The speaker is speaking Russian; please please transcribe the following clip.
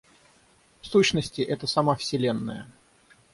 В сущности, это сама Вселенная.